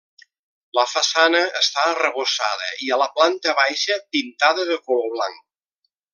La façana està arrebossada i, a la planta baixa, pintada de color blanc.